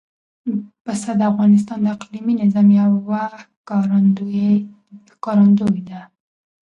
پسه د افغانستان د اقلیمي نظام یو ښکارندوی ده.